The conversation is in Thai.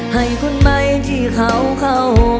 ให้คนใหม่ที่เขาเข้า